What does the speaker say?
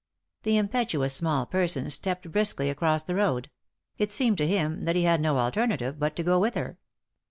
The impetuous small person stepped briskly across the road ; it seemed to him that he had no alternative but to go with her.